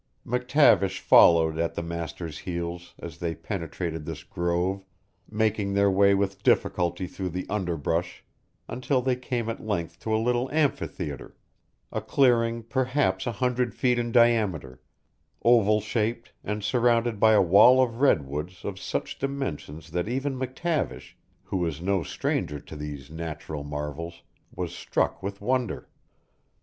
McTavish followed at the master's heels as they penetrated this grove, making their way with difficulty through the underbrush until they came at length to a little amphitheatre, a clearing perhaps a hundred feet in diameter, oval shaped and surrounded by a wall of redwoods of such dimensions that even McTavish, who was no stranger to these natural marvels, was struck with wonder.